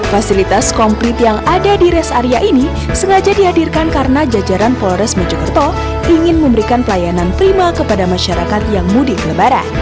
fasilitas komplit yang ada di rest area ini sengaja dihadirkan karena jajaran polres mojokerto ingin memberikan pelayanan prima kepada masyarakat yang mudik lebaran